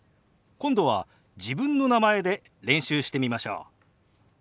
今度は自分の名前で練習してみましょう。